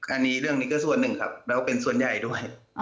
อันนี้เรื่องนี้ก็ส่วนหนึ่งครับแล้วเป็นส่วนใหญ่ด้วย